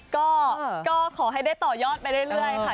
ก็ขอให้ได้ต่อยอดไปด้วยเลยค่ะ